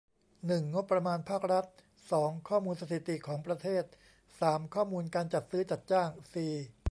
หนึ่ง งบประมาณภาครัฐ สอง ข้อมูลสถิติของประเทศ สาม ข้อมูลการจัดซื้อ จัดจ้าง สี่